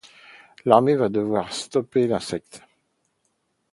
L'armée va devoir stopper l'insecte.